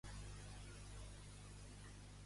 Poses la meva cançó preferida de Sofia Ellar?